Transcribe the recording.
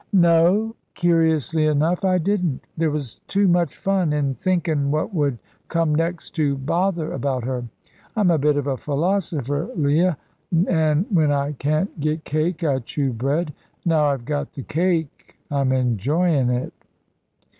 "No; curiously enough, I didn't. There was too much fun in thinkin' what would come next to bother about her. I'm a bit of a philosopher, Leah, an' when I can't get cake I chew bread. Now I've got the cake I'm enjoyin' it."